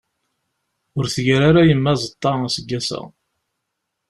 Ur tgir ara yemma azeṭṭa, aseggas-a.